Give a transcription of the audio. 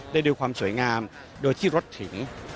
ดูความสวยงามโดยที่รถถึง